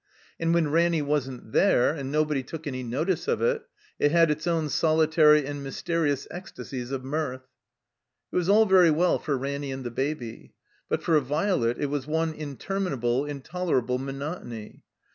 And when Ranny wasn't there, and nobody took any notice of it, it had its own solitary and mjrsterious ecstasies of mirth. It was all very well for Ranny and the Baby. But for Violet it was one interminable, intolerable monotony.